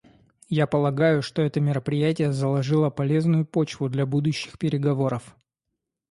Я полагаю, что это мероприятие заложило полезную почву для будущих переговоров.